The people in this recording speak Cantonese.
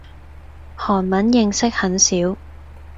韓文認識很少